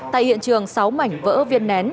tại hiện trường sáu mảnh vỡ viên nén